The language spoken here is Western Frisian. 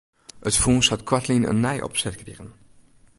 It fûns hat koartlyn in nije opset krigen.